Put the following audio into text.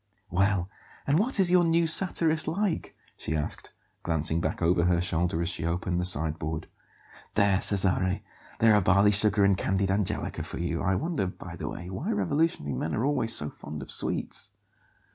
"Well, and what is your 'new satirist' like?" she asked, glancing back over her shoulder as she opened the sideboard. "There, Cesare, there are barley sugar and candied angelica for you. I wonder, by the way, why revolutionary men are always so fond of sweets."